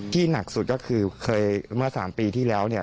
หนักสุดก็คือเคยเมื่อ๓ปีที่แล้วเนี่ย